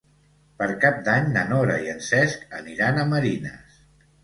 Per Cap d'Any na Nora i en Cesc aniran a Marines.